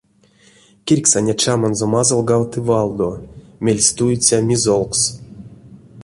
Кирьксаня чаманзо мазылгавты валдо, мельс туиця мизолкс.